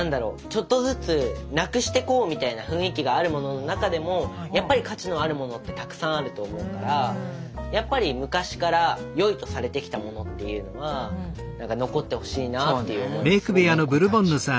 ちょっとずつなくしてこうみたいな雰囲気があるものの中でもやっぱり価値のあるものってたくさんあると思うからやっぱり昔から良いとされてきたものっていうのは何か残ってほしいなっていう思いはすごくありますね。